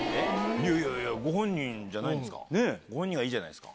いやいやいや、ご本人じゃないんですか？